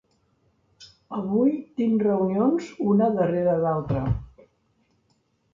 Avui tinc reunions una darrere d'altra.